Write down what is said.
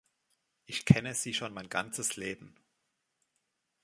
Ich kenne sie schon mein ganzes Leben.